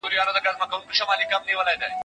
په دې کي زموږ د ټولو خیر دی.